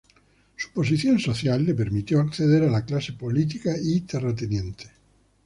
Su posición social le permitió acceder a la clase política y terrateniente.